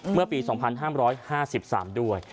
เมื่อปี๒๕๕๓ด้วย